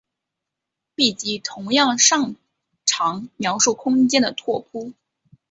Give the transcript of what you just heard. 闭集同样擅长描述空间的拓扑。